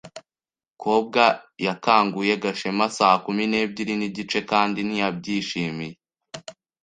Kobwa yakanguye Gashema saa kumi n'ebyiri n'igice kandi ntiyabyishimiye.